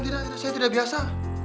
tidak saya tidak biasa